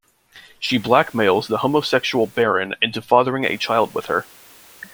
She blackmails the homosexual Baron into fathering a child with her.